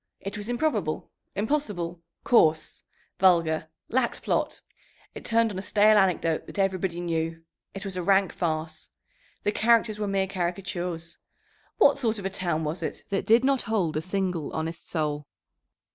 It was improbable, impossible, coarse, vulgar; lacked plot. It turned on a stale anecdote that everybody knew. It was a rank farce. The characters were mere caricatures. "What sort of a town was it that did not hold a single honest soul?"